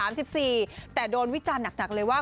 ยังน้อยอยู่๑๓๑๔แต่โดนวิจารณ์หนักเลยว่า